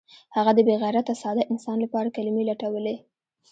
هغه د بې غیرته ساده انسان لپاره کلمې لټولې